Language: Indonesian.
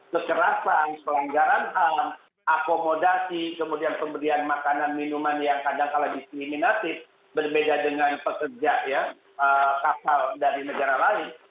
kecerasan pelenggaran hak akomodasi kemudian pemberian makanan minuman yang kadang kadang disimilasi berbeda dengan pekerja kasal dari negara lain